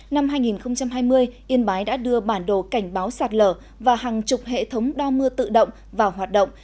năm hai nghìn hai mươi yên bái đã đưa bản đồ cảnh báo sạt lở và hàng chục hệ thống đo mưa tự động vào hoạt động